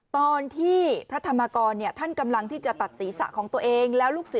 ตอนที่พระธรรมกรเนี่ยท่านกำลังที่จะตัดศีรษะของตัวเอง